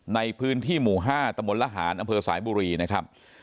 ในพื้นที่หมู่๕ตมละหารอำเภอสายบุรีนะครับ